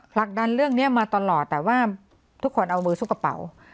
ผลักดันเรื่องนี้มาตลอดแต่ว่าทุกคนเอามือซุปกระเป๋า